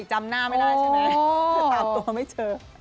จำหน้าไม่ได้ใช่ไหมแต่ตามตัวไม่เจอ